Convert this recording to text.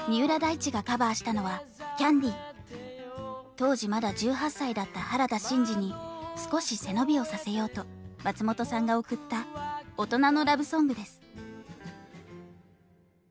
当時まだ１８歳だった原田真二に少し背伸びをさせようと松本さんが贈った大人のラブソングです。